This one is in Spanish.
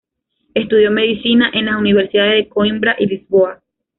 Estudió medicina en las Universidades de Coimbra y Lisboa.